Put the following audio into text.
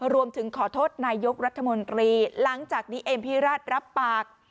รวมถึงขอโทษนายกรัฐมนตรีหลังจากนี้เอมพิราชรับปาก